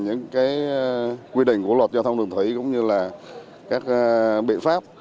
những cái quy định của luật giao thông đường thủy cũng như là các biện pháp